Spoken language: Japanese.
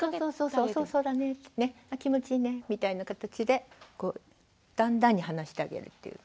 そうそう「そうだね気持ちいいね」みたいなかたちでだんだんに離してあげるっていう。